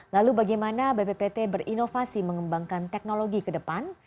lalu bagaimana bppt berinovasi mengembangkan teknologi ke depan